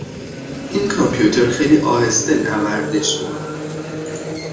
این کامپیوتر خیلی آهسته نوردش میکند.